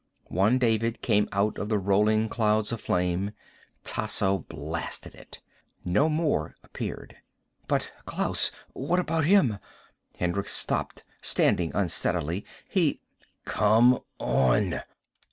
One David came out of the rolling clouds of flame. Tasso blasted it. No more appeared. "But Klaus. What about him?" Hendricks stopped, standing unsteadily. "He " "Come on!"